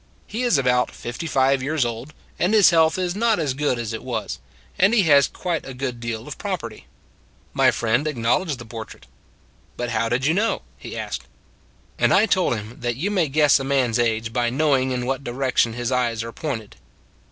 He is about fifty five years old, and his health is not as good as it was, and he has quite a good deal of property." My friend acknowledged the portrait. The Good Old Days 169 " But how did you know? " he asked. And I told him that you may guess a man s age by knowing in what direction his eyes are pointed.